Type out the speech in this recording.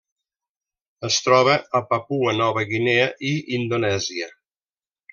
Es troba a Papua Nova Guinea i Indonèsia.